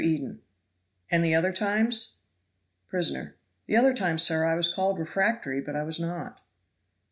Eden. "And the other times?" Prisoner. "The other times, sir, I was called refractory but I was not."